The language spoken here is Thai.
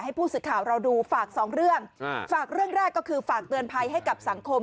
ผู้สื่อข่าวเราดูฝากสองเรื่องฝากเรื่องแรกก็คือฝากเตือนภัยให้กับสังคม